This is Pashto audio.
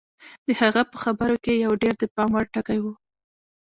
د هغه په خبرو کې یو ډېر د پام وړ ټکی و